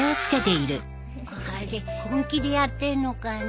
あれ本気でやってんのかね。